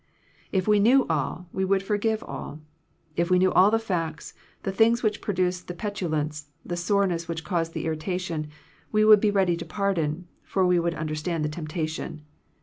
If we knew all, we would forgive all. If we knew all the facts, the things which produced the petulance, the sore ness which caused the irritation, we would be ready to pardon; for we would understand the temptation.